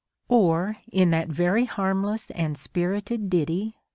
. Or, in that very harmless and spirited ditty